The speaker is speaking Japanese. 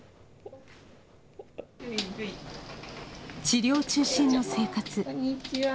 治療中心の生活。